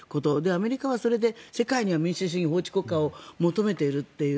アメリカはそれで世界には民主主義、法治国家を求めているという